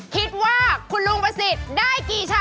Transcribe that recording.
คิดว่าคุณลุงพระศิษย์ได้กี่ชั้น